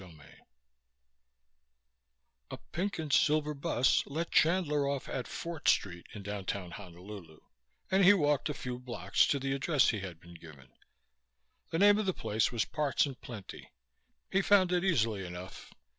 VII A pink and silver bus let Chandler off at Fort Street in downtown Honolulu and he walked a few blocks to the address he had been given. The name of the place was Parts 'n Plenty. He found it easily enough.